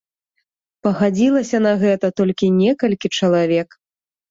Пагадзілася на гэта толькі некалькі чалавек.